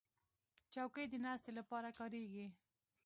چوکۍ د ناستې لپاره کارېږي.